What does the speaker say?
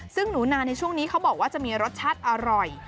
ซึ่งหนูนาในช่วงนี้เขาบอกว่าจะมีรสชาติอร่อย